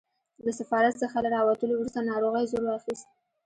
له سفارت څخه له راوتلو وروسته ناروغۍ زور واخیست.